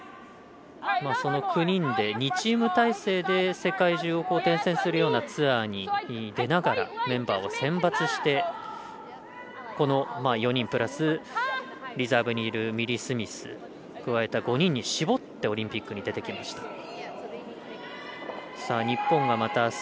その９人で２チーム体制で世界中を転戦するようなツアーに出ながらメンバーを選抜してこの４人プラス、リザーブにいるミリ・スミスを加えた加えた５人に絞ってオリンピックに出てきました。